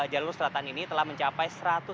jalur selatan ini telah mencapai satu ratus sepuluh